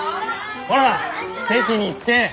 こら席に着け！